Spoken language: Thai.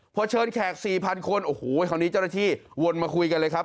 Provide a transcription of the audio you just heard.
พอเชิญแขก๔๐๐คนโอ้โหคราวนี้เจ้าหน้าที่วนมาคุยกันเลยครับ